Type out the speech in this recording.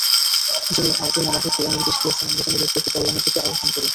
তিনি আমাদেরকে নির্দেশ দিয়েছেন, আমরা যেন লোকদেরকে কল্যাণের দিকে আহবান করি।